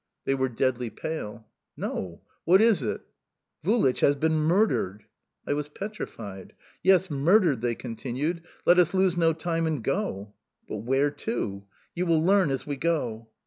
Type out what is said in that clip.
They were deadly pale. "No, what is it?" "Vulich has been murdered!" I was petrified. "Yes, murdered!" they continued. "Let us lose no time and go!" "But where to?" "You will learn as we go."